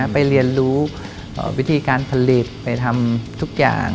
ไปเรียนรู้วิธีการผลิตไปทำทุกอย่าง